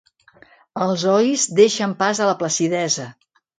Els ois deixen pas a la placidesa.